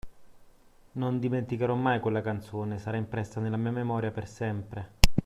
Non dimenticherò mai quella canzone, sarà impressa nella mia memoria per sempre.